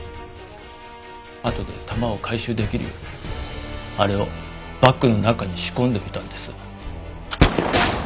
あとで弾を回収できるようにあれをバッグの中に仕込んでおいたんです。